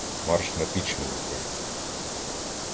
Марш на піч мені, кажу!